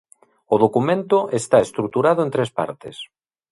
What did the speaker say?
O documento está estruturado en tres partes.